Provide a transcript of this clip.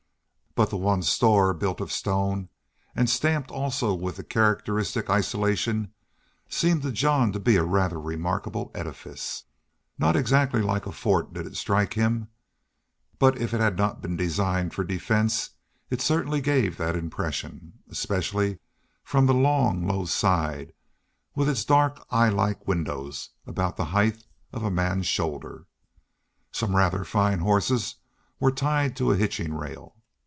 But the one store, built of stone, and stamped also with the characteristic isolation, seemed to Jean to be a rather remarkable edifice. Not exactly like a fort did it strike him, but if it had not been designed for defense it certainly gave that impression, especially from the long, low side with its dark eye like windows about the height of a man's shoulder. Some rather fine horses were tied to a hitching rail.